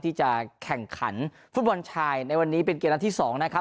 ที่จะแข่งขันฟุตบอลชายในวันนี้เป็นเกมนัดที่๒นะครับ